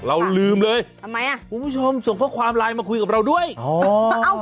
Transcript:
เราลืมเลยคุณผู้ชมส่งข้อความไลน์มาคุยกับเราด้วยอ๋อบ๊วยบ๊วยบ๊วยทำไมล่ะ